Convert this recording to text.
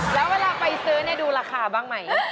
แล้วเวลาไปซื้อดูราคาบ้างไหม